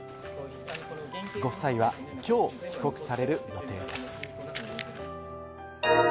ご夫妻はきょう帰国される予定です。